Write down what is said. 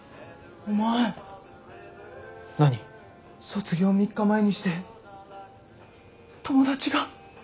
卒業３日前にして友達が。